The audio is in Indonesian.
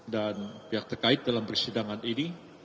dan pihak terkait dalam persidangan ini